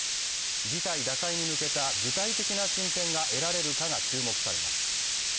事態打開に向けた具体的な進展が得られるかが注目されます。